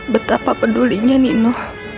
betapa pedulinya nino